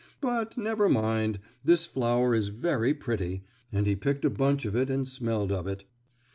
But, never mind, this flower is very pretty," and he picked a bunch of it and smelled of it.